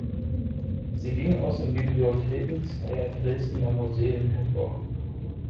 Sie ging aus den Bibliotheken zweier Dresdner Museen hervor.